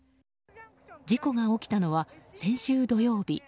事故が起きたのは先週土曜日。